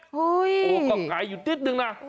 โอ้โหก็หงายอยู่นิดนึงนะ